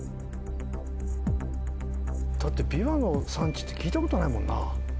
だってびわの産地って聞いたことないもんな。